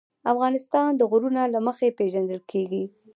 افغانستان د غرونه له مخې پېژندل کېږي.